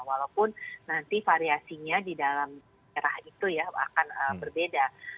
walaupun nanti variasinya di dalam merah itu ya akan berbeda